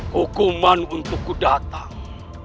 hukuman untukku datang